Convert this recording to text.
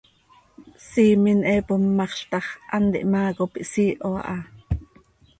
Siimen he pommaxz ta x, hant ihmaa cop ihsiiho aha.